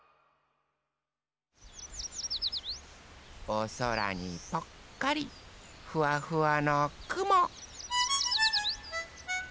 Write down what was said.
おそらにぽっかりふわふわのくも。